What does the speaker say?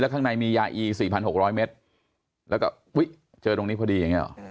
ข้างในมียาอี๔๖๐๐เมตรแล้วก็อุ๊ยเจอตรงนี้พอดีอย่างนี้หรอ